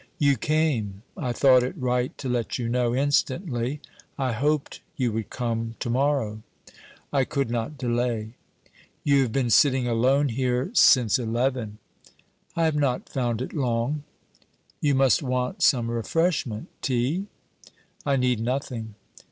'You came. I thought it right to let you know instantly. I hoped you would come to morrow.' 'I could not delay.' 'You have been sitting alone here since eleven!' 'I have not found it long.' 'You must want some refreshment... tea?' 'I need nothing.'